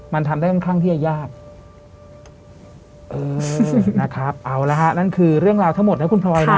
มันทำได้ค่อนข้างที่จะยากเออนะครับเอาละฮะนั่นคือเรื่องราวทั้งหมดนะคุณพลอยนะ